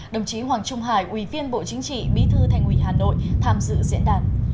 đồng chí hoàng trung hải ủy viên bộ chính trị bí thư thành ủy hà nội tham dự diễn đàn